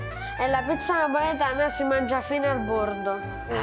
あ。